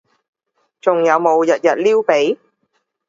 仲有冇日日撩鼻？